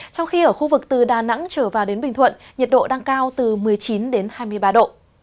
trong khi ở khu vực từ đà nẵng trở vào đến bình thuận nhiệt độ đang cao từ một mươi chín hai mươi ba độ